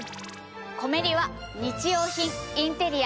コメリは日用品インテリア